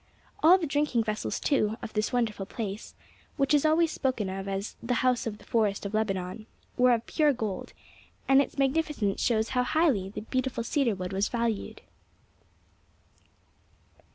All the drinking vessels, too, of this wonderful palace, which is always spoken of as 'the house of the forest of Lebanon,' were of pure gold, and its magnificence shows how highly the beautiful cedar wood was valued."